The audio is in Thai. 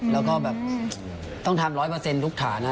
แล้วก็แบบต้องทำ๑๐๐ทุกฐานะ